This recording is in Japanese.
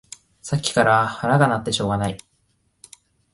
さっきから腹が鳴ってしょうがない